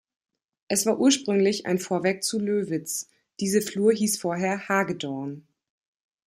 Es war ursprünglich ein Vorwerk zu Löwitz, diese Flur hieß vorher „Hagedorn“.